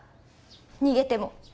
逃げても。